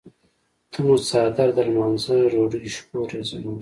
ته مو څادر د لمانځۀ د ډوډۍ شکور یې زموږ.